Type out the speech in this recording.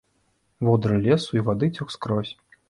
Водыр лесу і вады цёк скрозь.